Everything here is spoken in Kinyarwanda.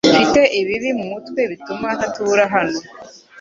Mfite ibibi mumutwe bituma ntatura hano .